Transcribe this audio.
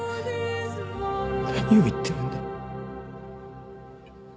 何を言ってるんだ。